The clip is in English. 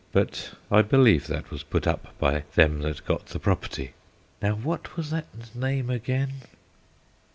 But I believe that was put up by them that got the property; now what was that name again?"